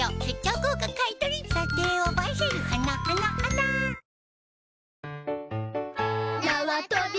なわとび